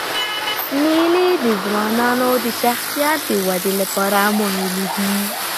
مېلې د ځوانانو د شخصیت د ودي له پاره مهمي دي.